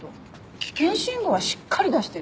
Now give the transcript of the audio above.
危険信号はしっかり出してるよ。